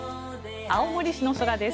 青森市の空です。